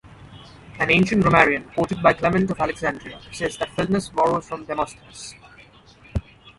An ancient grammarian, quoted by Clement of Alexandria, says that Philinus borrowed from Demosthenes.